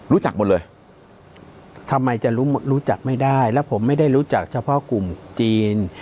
รู้จักหมดเลยทำไมจะรู้รู้จักไม่ได้แล้วผมไม่ได้รู้จักเฉพาะกลุ่มจีน